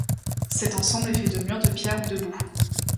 Cet ensemble est fait de murs de pierres ou de boue.